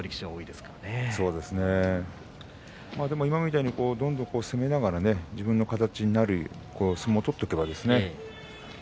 まあでも今みたいにどんどん攻めながらも自分の形になる相撲を取っていけばですね。